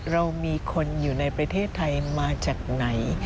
เรามีคนอยู่ในประเทศไทยมาจากไหน